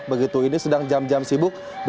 begitu ini sedang jam jam sibuk